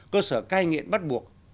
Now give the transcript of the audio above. cơ sở cai nghiện bắt buộc